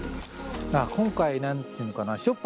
今回何ていうのかな。